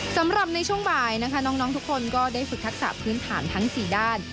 สำหรับในช่วงบ่ายนะคะน้องทุกคนก็ได้ฝึกทักษะพื้นฐานทั้ง๔ด้าน